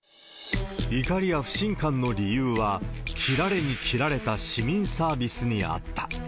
怒りや不信感の理由は、切られに切られた市民サービスにあった。